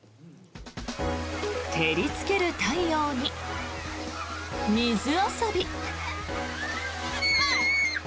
照りつける太陽に、水遊び。